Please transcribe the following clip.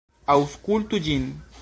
Aŭskultu ĝin.